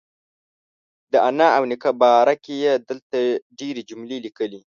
د انا او نیکه باره کې یې دلته ډېرې جملې لیکلي.